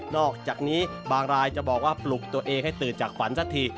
อกจากนี้บางรายจะบอกว่าปลุกตัวเองให้ตื่นจากฝันสักที